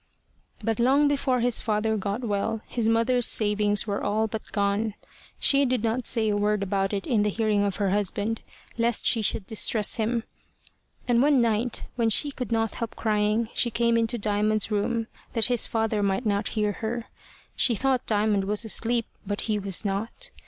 But long before his father got well, his mother's savings were all but gone. She did not say a word about it in the hearing of her husband, lest she should distress him; and one night, when she could not help crying, she came into Diamond's room that his father might not hear her. She thought Diamond was asleep, but he was not.